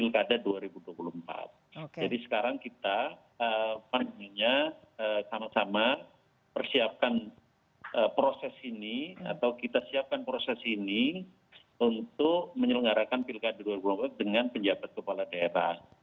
jadi sekarang kita makanya sama sama persiapkan proses ini atau kita siapkan proses ini untuk menyelenggarakan pilkada dua ribu dua puluh empat dengan penjabat kepala daerah